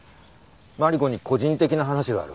マリコに個人的な話がある。